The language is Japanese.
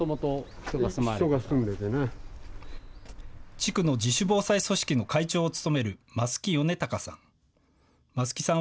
地区の自主防災組織の会長を務める増木米孝さん。